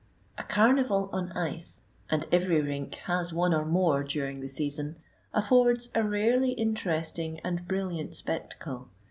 A carnival on ice—and every rink has one or more during the season—affords a rarely interesting and brilliant spectacle.